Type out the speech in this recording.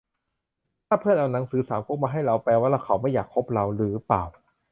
ถ้าเพื่อนเอาหนังสือสามก๊กมาให้เรา แปลว่าเขาไม่อยากคบเราหรือเปล่า